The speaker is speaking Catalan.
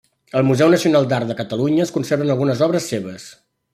Al Museu Nacional d'Art de Catalunya es conserven algunes obres seves.